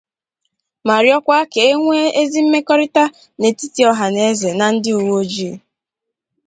ma rịọkwa ka e nwee ezi mmekọrịta n'etiti ọhznaeze na ndị uwe ojii